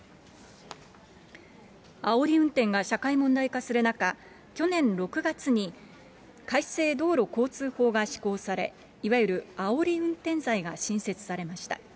あおり運転が社会問題化する中、去年６月に、改正道路交通法が施行され、いわゆるあおり運転罪が新設されました。